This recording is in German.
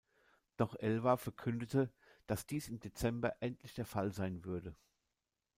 Doch Elva verkündete, dass dies im Dezember endlich der Fall sein würde.